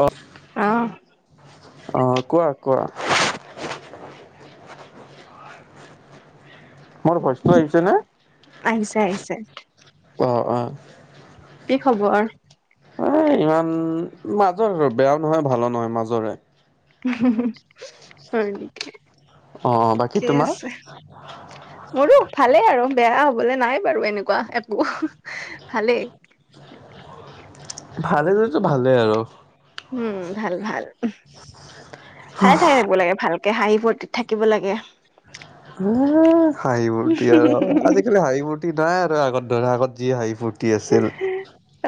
অ অ অ কোৱা কোৱা। মোৰ ভয়চটো আহিছে নে? আহিছে আহিছে। অ অ। কি খবৰ? এই ইমান মাজৰে আৰু বেয়াও নহয় ভালো নহয় মাজৰে। হয় নেকি? অ বাকী থিকে তোমাৰ? আছে? মোৰো ভালেই আৰু বেয়া হবলে নাই বাৰু এনেকুৱা একো। ভালেই। ভালেই যদিতো ভালেই আৰু। উম ভাল ভাল [unintelligible] আহিব লাগে ভাল। তাকে হাঁহি, ফুৰ্তিত থাকিব লাগে। এই হাঁহি -মূৰ্তি আৰু আজিকালি হাঁহি- মূৰ্তি নাই আৰু আগত ধৰা আগত যি হাঁহি- ফূুৰ্তি। উহ হু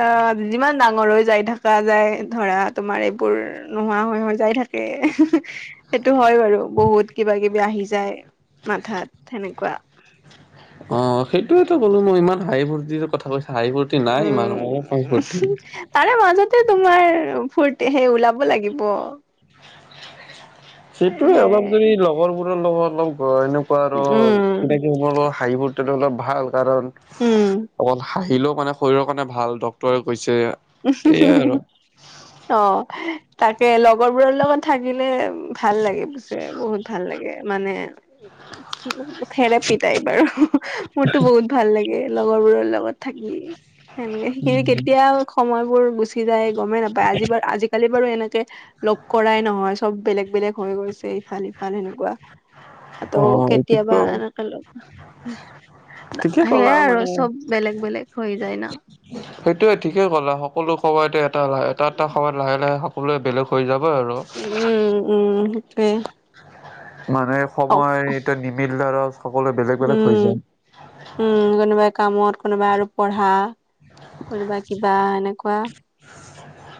অ যিমান ডাঙৰ যাই থকা যায় ধৰা তোমাৰ এইবোৰ নোহোৱা হৈ হৈ যাই থাকে। সেইটো হয় বাৰু বহুত কিবা কিবি আহি যায়। মাথাত হেনেকুৱা। অ সেইটোয়েতো ক'লো মই ইমান হাই -ফূৰ্তিৰ কথা কৈছা হাই ফূৰ্তি নাই ইমান উম অলপ ফূৰ্তি তাৰে মাজতে তোমাৰ ফুৰ্তি সেই ওলাব লাগিব। সেইটোয়ে হে অলপ যদি লগৰবোৰৰ লগত অলপ গৈ এনে আৰু উম কোনে কি সম হাঁহি-ফুৰ্তি হ'লে ভাল। কাৰণ উম অকল হাঁহিলেও মানে শৰীৰৰ কাৰণে ভাল ডক্তৰে কৈছে। এয়াই আৰু অ তাকে লগৰবোৰৰ লগত থাকিলে। ভাল লাগে পিছে বহুত ভাল লাগে মানে। থেৰাপি টাইপ আৰু মোৰতো বহুত ভাল লাগে লগৰবোৰৰ লগত থাকি। সেনেকে সেইখিনি কেতিয়াও সময় বোৰ গুচি যায়। গমেই নাপায় আজি বাৰ আজিকালি বাৰু এনেকে লগ কৰাই নহয় চব বেলেগ- বেলেগ হৈ গৈছে ইফালে সিফালে সেনেকুৱা। তৌ অ কেতিয়াবা এইটোতো এনেকে লগ ঠিকে ক'লা সেয়াই আৰু মানে চব বেলেগ বেলেগ হৈ যায় না। সেইটোয়ে ঠিকে ক'লা সকলো সময়তে এটা ল এটা এটা সময়ত লাহে লাহে সকলোৱে বেলেগ। হৈ যাবই আৰু উম উম মানে অ', সময় এতিয়া নিমিলিলে আৰু সকলোৱে বেলেগ- বেলেগ হৈ উম যায়। উম কোনোবাই কামত কোনোবাই আৰু পঢ়া। কোনোবা কিবা এনেকুৱা। [inaudible]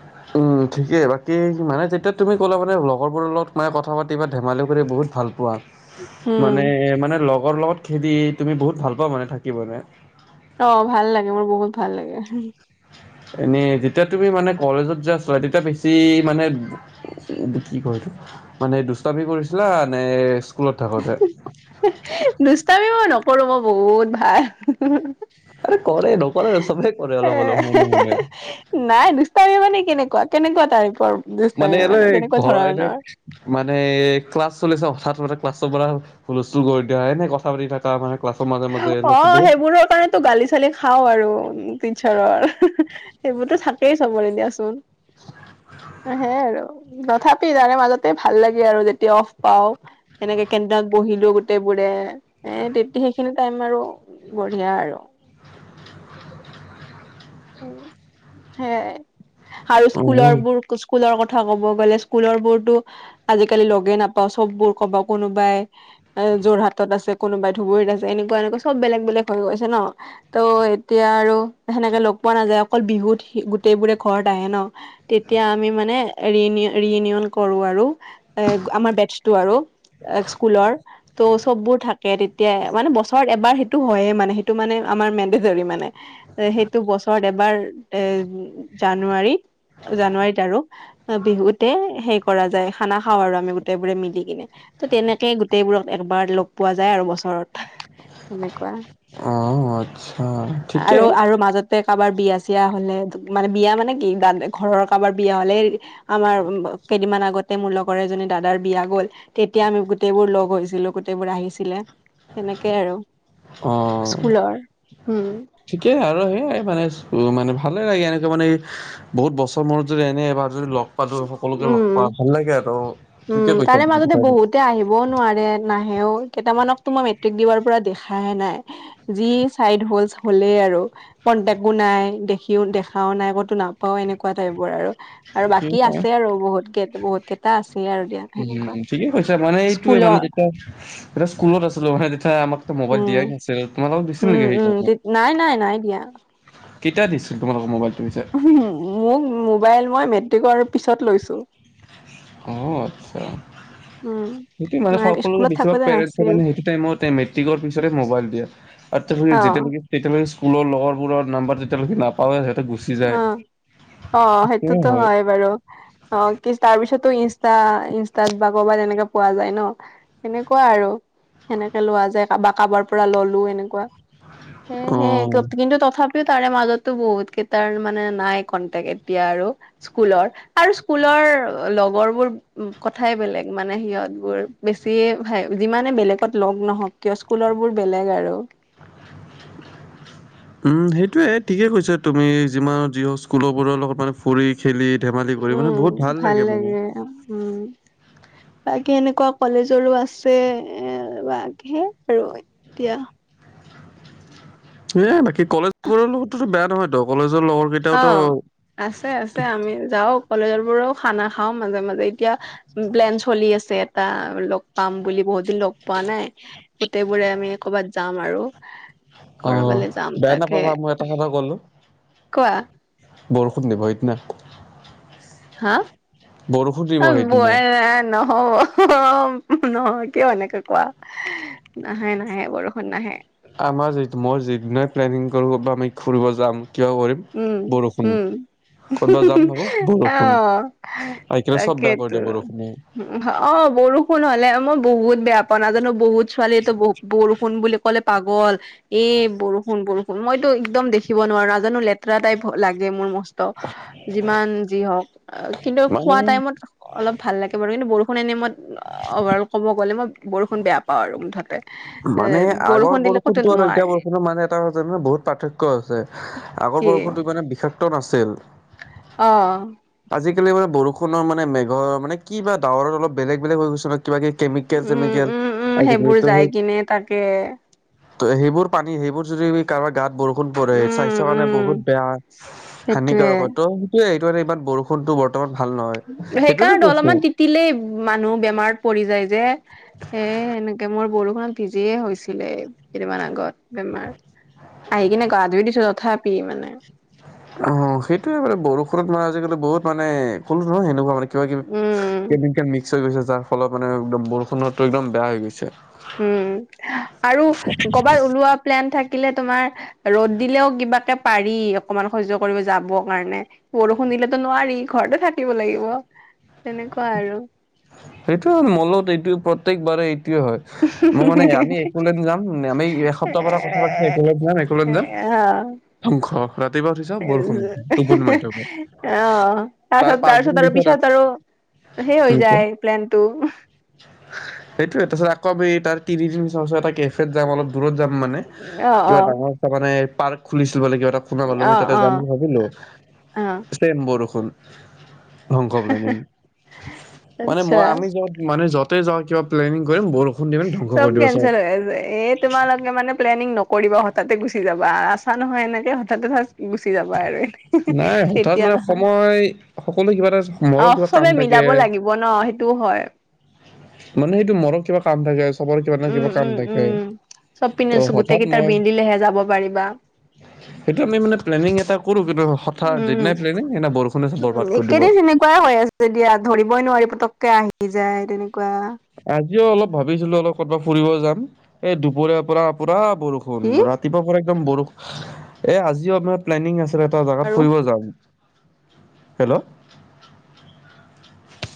ঠিকেই বাকী মানে তেতিয়া তুমি কলা মানে লগৰবোৰৰ লগত মানে কথা পাতিবা ধেমালি কৰি বহুত ভাল পোৱা উম মানে মানে লগৰ লগত খেদি তুমি বহুত ভাল পোৱা মানে থাকি মানে। অ ভাল লাগে মোৰ বহুত ভাল লাগে। এনেই যেতিয়া তুমি মানে কলেজত, যোৱা, চোৱা তেতিয়া বেছি মানে কি কয় এইতো, মানে দুষ্টি কৰিছিলা নে স্কুলত থাকোতে। দূষ্টামি মই নকৰো মই বহুত ভাল। আৰে কৰে নকৰা নহয় চবেই কৰে এ অলপ- আছে অলপ মনে মনে। নাই দূষ্টামি মানে কেনেকুৱা, কেনেকুৱা তাইটপৰ। মানে এনে ঘৰ এনে মানে এ ক্লাছ চলিছে হঠাৎ মানে ক্লাছৰ পৰা হুলস্থুল কৰি দিয়া এনে কথা পাতি থাক তাৰ মানে ক্লছৰ মাজে- মাজে এনে বহুত টো গালি চালি খাওঁ আৰু টিচাৰৰ। সেইবোৰতো থাকেই চবৰে দিয়াচোন। সেইয়া আৰু তথাপি তাৰে মাজতে ভাল লাগে আৰু যেতিয়া অফ পাও। সেনেকে কেন্দাক বহিলো গোটেই বোৰে এ সেইখিনি টাইম আৰু বঢ়িয়া আৰু। সেয়া আৰু অ স্কুলৰ বোৰ স্কুলৰ কথা ক'ব গ'লে স্কুলৰ বোৰতো আজিকালি লগে নাপাও চববোৰ কবা কোনোবাই এ যোৰহাটত আছে কোনোবাই ধুবুৰীত, আছে এনেকুৱা এনেকুৱা চব বেলেগ বেলেগ হৈ গৈছে ন। ত' এতিয়া আৰু সেনেকে লগ পোৱা নাযায় অকল বিহুত গোটেই বোৰে ঘৰত আহে ন। তেতিয়া আমি মানে ৰি-ৰিউনিয়ন কৰো আৰু এ আমাৰ বেথছ্টো আৰু। এ স্কুলৰ ত' সববোৰ থাক তেতিয়া মানে বছৰত এবাৰ সেইটো হয়ে মানে সেইটো মানে আমাৰ মেণ্ডেতৰি মানে। সেইটো বছৰত এবাৰ এ জানুৱাৰী জানুৱাৰীত আৰু বিহুতে সেই কৰা যায় খানা খাওঁ আৰু আমি গোটেই বোৰে মিলি কিনে। ত তেনেকে গোটেইবোৰক একবাৰ লগ পোৱা যায় আৰু বছৰত। তেনেকুৱা অ আচ্ছা আৰু ঠিকেই আৰু মাজত তাতে কাৰোবাৰ বিয়া চিয়া হলে মানে বিয়া মানে কি ঘৰৰ কাৰোবাৰ বিয়া হ'লে আমাৰ কেইদিনমান আগতে মোৰ লগৰ এজনীৰ দাদাৰ বিয়া গ'ল। তেতিয়া আমি গোটেইবোৰ লগ হৈছিলোঁ, গোটেইবোৰ আহিছিলে। সেনেকে আৰু অ স্কুলৰ উম'। ঠিকেই আৰু সেইয়াই মানে মানে ভালে লাগে এনেকুৱা মানে বহুত বছৰ মূৰত যদি এনে এবাৰ যদি লগ পালো সকলোকে লগ উম পা ভাল লাগে আৰু তুতে কৈছা বুজি ক সিহঁতে আহিবও নোৱাৰে নাহেও কেইটামানক তো মই মেট্ৰিক দিয়াৰ পৰা দেখাই নাই। যি চাইড হ'ল হ'লেই আৰু। কনটেক্টো নাই, দেখিও, দেখাও নাই কতো নাপাও এনেকুৱা টাইপৰ আৰু। আৰু বাকী আছে [unintelligible] আৰু বহুত কেই, বহুত কেইটা আছে আৰু দিয়া সেনেকুৱা। ঠিকে কৈছা মানে এইটোয়ে মানে স্কুলৰ যেতিয়া এয়া স্কুলত আছিলো মানে আমাকটো মোবাইল উম দিয়াই নাছিল তোমালোকক উম নেকি উম সেইকাৰণে নাই নাই নাই দিয়া। কেতিয়া দিছিল তোমালোকৰ মোবাইলটো পিছে। মোক মোবাইল মই মেট্ৰিকৰ পিছত লৈছোঁ। অ আচ্ছা উম সেইটো মানে নাই সকলো স্কুলত থাকোতে নাছিল [unintelligible] টাইমত মেট্ৰিকৰ পিছতে মোবাইল দিয়ে। অ [unintelligible] [unintelligible] বা, অ' সেইটোত হয় বাৰু। অ কি তাৰ পিছতো ইনষ্টা ইনষ্টাত বা কৰ'বাত তেনেকে পোৱা যায় ন। সেনেকুৱা আৰু সেনেকে লোৱা যায়, কাৰোবাৰ কাৰোবাৰ পৰা ললো এনেকুৱা। সেই অ সেয়ে কিন্তু তথাপিও তাৰে মাজতো বহুত তাৰ মানে নাই কনটেক্ট এতিয়া আৰু স্কুলৰ আৰু স্কুলৰ লগৰ বোৰ কথাই বেলেগ মানে সিহঁত বোৰ বেছি ভ যিমানে বেলেগত লগ নহওক কিয় স্কুলৰ বোৰ বেলেগ আৰু [unintelligible] উম সেইটোৱে ঠিকেই কৈছা তুমি যিমান যি হওক স্কুলৰবোৰৰ লগত মানে ফুৰি খেলি ধেমালি কৰি মানে বহুত ভাল লাগে মানে বাকী এনেকুৱা কলেজৰো আছে এ ব সে আৰু এতিয়া এ বাকী কলেজোৰ লগতো বেয়া নহয়তো কলেজৰ লগৰ কেই অ আছে আছে আমি যাও কলেজ বোৰও খানা খাও মাজে মাজে এতিয়া প্লেন চলি আছে এটা লগ পাম বুলি বহুত যদি লগ পোৱা নাই গোটেই বোৰে আমি কৰবাত যাম আৰু অ কৰবালে যাম বেয়া তাকে নোপাবা মই এটা কথা ক'লো। কোৱা বৰষুণ দিব সিদনা। হা? ব ন [inaudible] অ হহ নহয় কিয় এনেকে কোৱা। নাহে নাহে বৰষুণ নাহে। আমাৰ যিটো মই যিদিনাই প্লেনিং কৰোঁ বা আমি ফুৰিব যাম কিবা কৰিম উম বৰষুণ উম। ক'তবা যাম উহুহুহু ভাবো বৰষুণ অহ আহিকিনে চব বেয়া কৰি তাকেতো। দিয়ে বৰষুণে উ হ, অ বৰষুণ হ'লে মই বহুত বেয়া পাওঁ নাজানো বহুত ছোৱালীয়েতো ব বৰষুণ বুলি ক'লে পাগল, এ বৰষুণ বৰ ষূণ মইতো একদম দেখিব নোৱাৰা নাজানো লেতেৰা টাইপ লাগে মোৰ মস ত যিমান যি হওক আ কিন্তু মানে খোৱা টাইমত অলপ ভাল লাগে বাৰু কিন্তু বৰষুণ এনে মত অভাৰ ক'ব গ'লে মই বৰষুণ বেয়া পাও আৰু মুঠতে। এ মানে আগৰ বৰষুণ দিলে ক'তো বৰষুণটো আৰু এতিয়া নোৱাৰি বৰষুণত মানে ত জানো বহুত পাৰ্থক্য আছে, আগৰ কি বৰষুণটো মানে বিষাক্ত নাছিল। অ। আজিকালি মানে বৰষূণৰ মানে মেঘৰ মানে কি বা ডাৱৰত অলপ বেলেগ বেলেগ হৈ গৈছে ন কিবা কিবি কেমিকেল- উম চেমিকেল উম উম সেইবোৰ আজিকালিটো যাই সেই কিনে তাকে। ত সেইবোৰ পানী সেইবোৰ যদি আমি কাৰোবাক গাত বৰষুণ পৰে, উম স্বাস্থ্য কাৰণে উম বহুত বেয়া হানিকাৰক সেইটোৱে হয়, ত' সেইটোয়ে এইটো কাৰনে ইমান বৰ ষূণটো বৰ্তমান ভাল নহয়, সেইটোৱেটো কৈছো। তিলেই মানুহ বেমাৰত পৰি যায় যে। হে এনেকে মোৰ বৰষুণত ভিজিয়ে হৈছিলে। কেইদিনমান আগত বেমাৰ আহি কিনে গা ধুই দিছো তথাপি মানে। অ সেইটোয়ে মানে বৰষুণত মানে আজিকালি বহুত মানে কলো নহয় সেনেকুৱা মানে কিবা কি উম কে মিক্স হৈ গৈছে তাৰ ফলত মানে একদম বৰষুণতটো একদম বেয়া হৈ গৈছে। উম আৰু কৰ'বাত ওলোৱা প্লেন থাকিলে তোমাৰ ৰ'দ দিলেও কিবাকে পাৰি, অকমান সহ্য কৰিব যাব কাৰণে। বৰষুণ দিলেতো নোৱাৰি, ঘৰতে থাকিব লাগিব তেনেকুৱা আৰু। সেইটো মলত এইটো প্ৰত্যেকবাৰে টোৱে হয়, মই মানে আমি একোলে নি যাম আমি এসপ্তাহৰ পৰা কথা পাতিছ এক যাম সেইয়া। শংশ এ এহেহে থকা তাৰ অহ পাঁচদিন তাৰচত তাৰপিছত আৰু পিছত আৰু সেই হৈ যায় প্লেনটো উহ সেইটোয়ে তাৰপিছত আকৌ এই তাৰ তিৰিদিন চচ এটাকে ফিত যাম অলপ দূৰত যাম মানে অ', কিবা অ'। ডাঙৰ মানে পাৰ্ক খুলিছিল বোলে কিবা এটা শুনা পালো আমি অ', তাতে যাম অ', বুলি ভাবিলো, অ'। বেছি বৰষুণ। [unintelligible] মানে আচ্ছা। মই আমি যত মানে য তে যাওঁ কিবা প্লেনিং কৰিম বৰষুণ দি মানে ধ্বংস কৰি দিব চব। এৰ এত তোমালোকে মানে প্লেনিং নকৰিবা হঠাতে গুচি যাবা, আছা নহয় এনেকে হঠাতে বাছ গুচি যাবা আৰু নাই এহেহে হঠাৎ তেতিয়া মানে নহয়, সময় সকলো কিবা এটা অ মৰৰ কিবা কাম চবে থাকে মিলাব লাগি বন সেইটো হয়। মানে সেইটো মৰত কিবা কাম থাকে। চবৰে কিবা নহয় উম, কিবা উম, কাম থাকে', উম। চব পিনে ত গোটেই হঠাৎ কেইটাৰ মিলিলেহে যাব পাৰিবা, মই সেইটো আমি মানে প্লেনিং এটা কৰো কিন্তু হঠাৎ উম। যিদিনাই প্লেনিং, সিদিনাই বৰষুণে চফব বৰবাদ উম, কৰি দিব। এইকেইদিন তেনেকুৱাই হৈ আছে দিয়া, ধৰিবই নোৱাৰি পতককে আহি যায় তেনেকুৱা। আজিও অলপ ভাবিছিলো অলপ কৰ'ৰবাত ফুৰিব যাম, এই দুপৰীয়া পৰা, পুৰা বৰষুণ কি ৰা ৰাতিপুৱাৰ পৰা একদম বৰষুণ, এ আজিও আমাৰ প্লেনিং আছিল এটা জেগাত আৰু ফুৰিব যাম। হেল্ল'।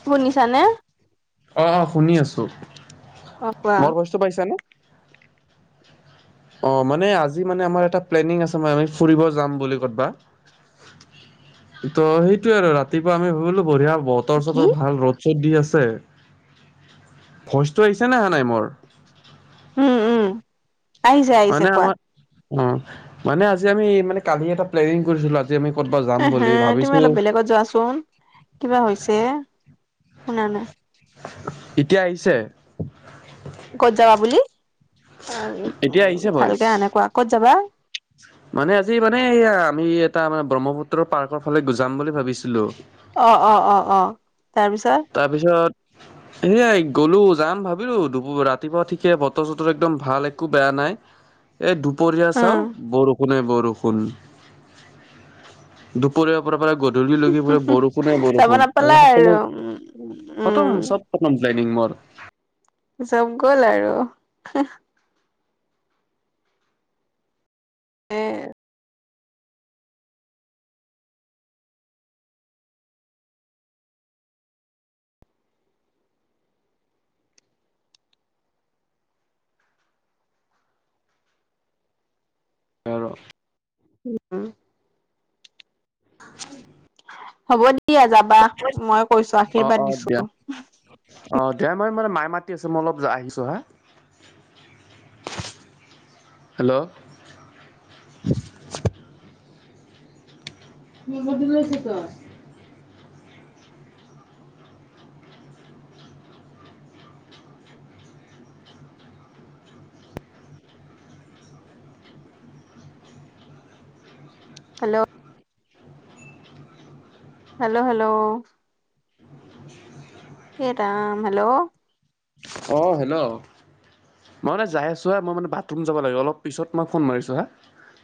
শুনিছা নে? অ', অ' শুনি আছো, অ', কোৱা। মোৰ ভইচটো পাইছানে? অ', মানে আজি মানে আমাৰ এটা প্লেনিং আছে, ম আমি ফুৰিব যাম বুলি ক'বাত। ত' সেইটোয়ে আৰু ৰাতিপুৱা আমি ভাবিলো বঢ়িয়া বতৰ কি? চতৰ ভাল ৰ'দ চ'দ দি আছে, ভইচটো আহিছে নে অহা নাই মোৰ? উম, উম। আহিছে আহিছে মানে কোৱা আমাৰ, অ', মানে আজি আমি মানে কালি এটা প্লেনিং কৰিছিলো যে আমি কৰবাত যাম। এ হে, বুলি তুমি ভাবিছো অলপ বেলেগত যোৱাচোন, কিবা হৈছে, শুনা নাই। এতিয়া আহিছে? ক'ত যাবা বুলি, উ এতিয়া আহিছে ভইচ। ভালকে আহা নাই কোৱা ক'ত যাবা? মানে আজি মানে এ আমি এটা মানে ব্ৰহ্মপুত্ৰৰ পাৰ্কৰ ফালে গ জাম বুলি ভাবিছিলো। অ', অ', অ', অ', তাৰপিছত তাৰপিছত এনেই গ'লো, যাম ভাবিলো দু ৰাতিপুৱা ঠিকে বতৰ চতৰ একদম ভাল একো বেয়া নাই। এই দু দুপৰীয়া চাওঁ, উম বৰষুণে বৰষুণ দুপৰীয়াৰ পৰা পৰা গধু লগি লগি পৰে বৰষুণে যাব বৰষুণ তাৰ নাপালা আৰু সকলো উম উম। খতম, চব খতম প্লেনিং মোৰ। জব গ'ল আৰু। এ উম। উম। [inaudible] হ'ব দিয়া যাবা, মই কৈছো অ আশীৰ্বাদ অ দিছো। দিয়া। অ', দিয়া মই মানে মাই মাতি আছ মই অলপ আহিছো হা। হেল্ল'। [unintelligible] হেল্ল'। Hello, hello. এইৰাম, হেল্ল'। অ', হেল্ল'। মই মানে যাই আছো হা, মই মানে বাথৰুম যাব লাগিব অলপ পিছত মই ফোন মাৰিছো হা।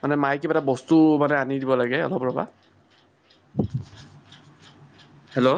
মানে মায়ে কিবা এটা বস্তু মানে আনি দিব লাগে অলপ ৰবা। হেল্ল'।